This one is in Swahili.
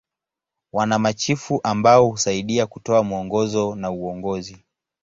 Wana machifu ambao husaidia kutoa mwongozo na uongozi.